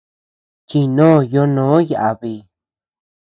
Chindo ñonó yabi.